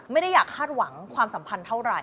ไม่ได้อยากคาดหวังความสัมพันธ์เท่าไหร